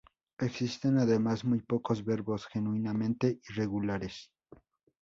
Existen además muy pocos verbos genuinamente irregulares.